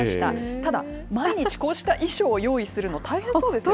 ただ、毎日こうした衣装を用意するの、大変そうですよね。